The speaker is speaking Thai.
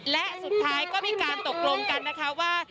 และสุดท้ายก็มีการตกลงกันนะคะว่า